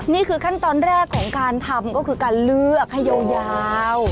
นี่คือขั้นตอนแรกของการทำก็คือการเลือกให้ยาว